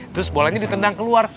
terus bolanya ditendang keluar